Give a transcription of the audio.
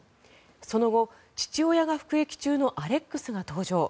その後、父親が服役中のアレックスが登場。